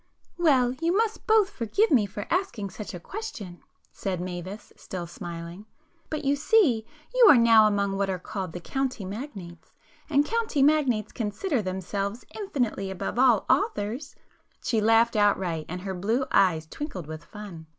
"Well, you must both forgive me for asking such a question"—said Mavis still smiling—"But you see you are now among what are called the 'county magnates,' and county magnates consider themselves infinitely above all authors!" She laughed outright, and her blue eyes twinkled with fun.